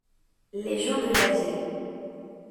Les gens de la ville.